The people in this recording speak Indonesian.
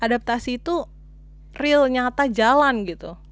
adaptasi itu real nyata jalan gitu